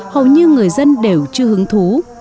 hầu như người dân đều chưa hứng thú